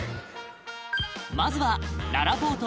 まずはららぽーと